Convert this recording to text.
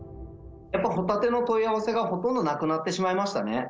やっぱホタテの問い合わせがほとんどなくなってしまいましたね。